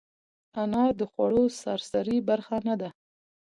انار د خوړو سرسري برخه نه ده.